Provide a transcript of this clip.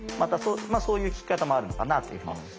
そういう聞き方もあるのかなというふうに思いますね。